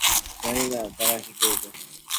জানি না, তারা কি করবে।